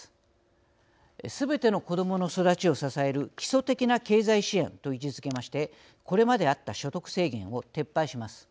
すべての子どもの育ちを支える基礎的な経済支援と位置づけましてこれまであった所得制限を撤廃します。